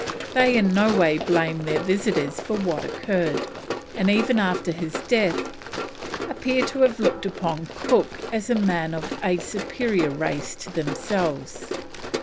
They in no way blamed their visitors for what occurred, and even after his death appear to have looked upon Cook as a man of a superior race to themselves.